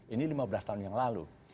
ini lima belas tahun yang lalu